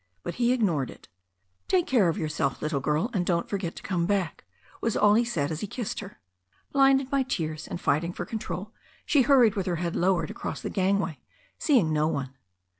But he ignored it. "Take care of yourself, little girl, and don't forget to come back," was all he said as he kissed her. Blinded by tears and fighting for control, she hurried with her head lowered across the gangway, seeing no one.